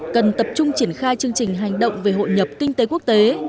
cần tập trung triển khai chương trình hành động về hội nhập kinh tế quốc tế